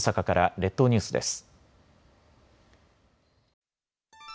列島ニュースです。